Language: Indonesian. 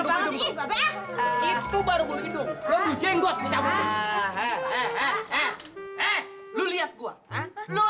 itu baru gue hidung